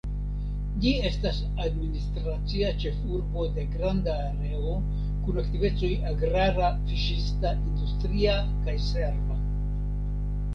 Ĝi estas administracia ĉefurbo de granda areo, kun aktivecoj agrara, fiŝista, industria kaj serva.